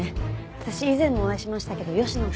私以前もお会いしましたけど吉野と。